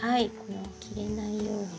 切れないように。